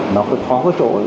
nó khó trội